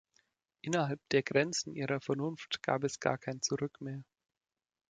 Innerhalb der Grenzen ihrer Vernunft gab es gar kein Zurück mehr.